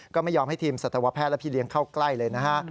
ก็ไม่ยอมให้ทีมสัตวแพทย์และพี่เลี้ยงเข้าใกล้เลยนะฮะ